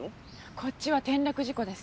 こっちは転落事故です。